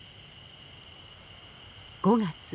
５月。